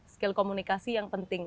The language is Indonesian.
skill komunikasi yang penting